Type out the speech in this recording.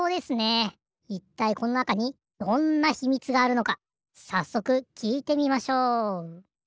いったいこのなかにどんな秘密があるのかさっそくきいてみましょう。